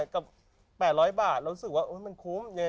กับ๘๐๐บาทเรารู้สึกว่ามันคุ้ม